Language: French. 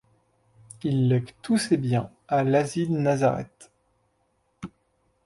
Il lègue tous ses biens à l'asile Nazareth.